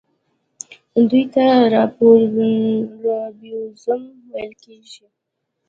دوی ته رایبوزوم ویل کیږي.